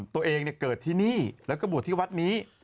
ตัวเองเกิดที่นี่แล้วก็บวชที่วัดนี้